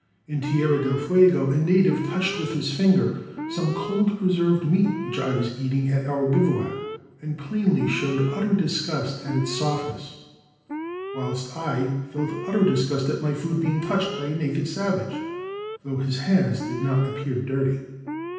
In Tierra del Fuego a native touched with his finger some cold preserved meat which I was eating at our bivouac, and plainly showed utter disgust at its softness; whilst I felt utter disgust at my food being touched by a naked savage, though his hands did not appear dirty.